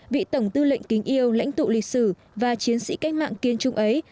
vị tổng tư lệnh kính yêu lãnh tụ lịch sử và chiến sĩ cách mạng kiên trung ấy